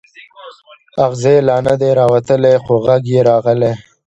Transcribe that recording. اغزی لا نه دی راوتلی خو غږ یې راغلی.